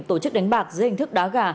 tổ chức đánh bạc dưới hình thức đá gà